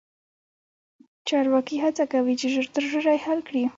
چارواکي هڅه کوي چې ژر تر ژره یې حل کړي.